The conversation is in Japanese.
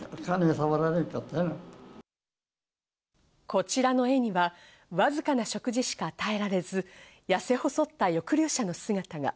こちらの絵にはわずかな食事しか与えられず、やせ細った抑留者の姿が。